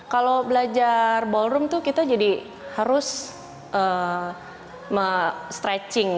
kalau belajar ballroom tuh kita jadi harus stretching